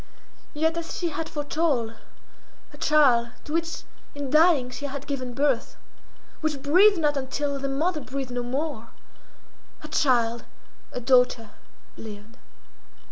Yet, as she had foretold, her child, to which in dying she had given birth, which breathed not until the mother breathed no more, her child, a daughter, lived.